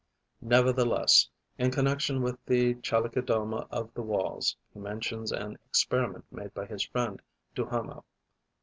Nevertheless, in connection with the Chalicodoma of the Walls, he mentions an experiment made by his friend, Duhamel.